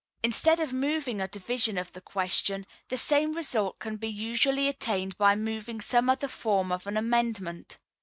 Instead of moving a division of the question, the same result can be usually attained by moving some other form of an amendment.